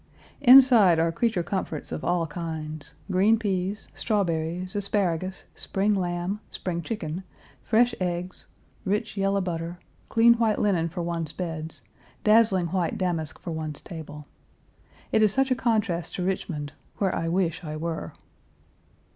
Inside, are creature comforts of all kinds green peas, strawberries, asparagus, spring lamb, spring chicken, fresh eggs, rich, yellow butter, clean white linen for one's beds, dazzling white damask for one's table. It is such a contrast to Richmond, where I wish I were.